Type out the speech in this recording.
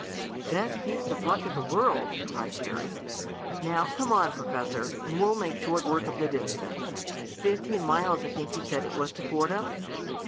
"Best piece of luck in the world!" cried Jerry. "Now, come on, Professor, and we'll make short work of the distance. Fifteen miles I think you said it was to Fordham?"